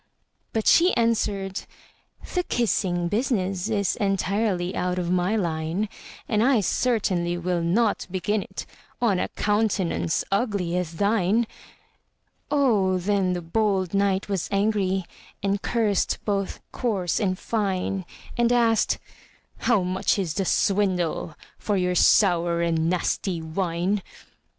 But she answered, "The kissing business Is entirely out of my line; And I certainly will not begin it On a countenance ugly as thine!" Oh, then the bold knight was angry, And cursed both coarse and fine; And asked, "How much is the swindle For your sour and nasty wine?"